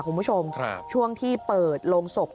คุณผู้ชมช่วงที่เปิดโรงศพ